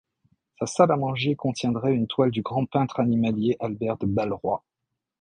Sa salle à manger contiendrait une toile du grand peintre animalier Albert de Balleroy.